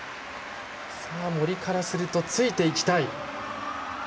森からするとついていきたい。